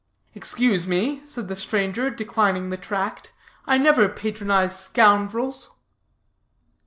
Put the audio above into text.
"Excuse me," said the stranger, declining the tract, "I never patronize scoundrels."